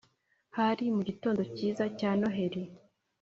hari mu gitond cyiza cya noheli